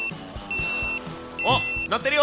あっ鳴ってるよ！